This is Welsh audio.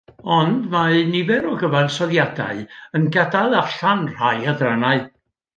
Ond, mae nifer o gyfansoddiadau yn gadael allan rhai adrannau